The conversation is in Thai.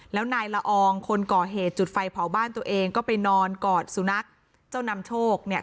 แล้วนายละอองคนก่อเหตุจุดไฟเผาบ้านตัวเองก็ไปนอนกอดสุนัขเจ้านำโชคเนี่ย